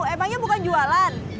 emangnya bukan jualan